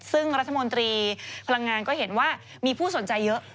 ซึ่งรัฐมนตรีพลังงานก็เห็นว่ามีผู้สนใจเยอะ